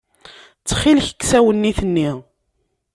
Ttxilek, kkes awennit-nni.